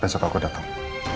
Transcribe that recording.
besok aku dateng